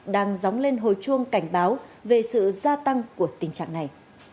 đang dóng lên hồi chuông cảnh báo về sự gia tăng của tình trạng này